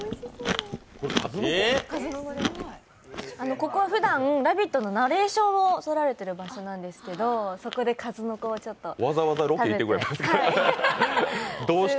ここはふだん、「ラヴィット！」のナレーションを録られてる場所なんですけど、そこで数の子を食べて。